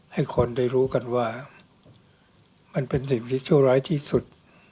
ให้คนได้รู้กันว่ามันเป็นสิ่งที่ชั่วร้ายที่สุด